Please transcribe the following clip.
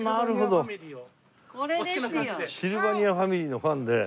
シルバニアファミリーのファンで。